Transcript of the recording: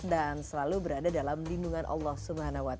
dan selalu berada dalam lindungan allah swt